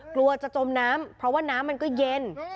กลัวจะจมน้ำเพราะว่าน้ำมันก็เย็น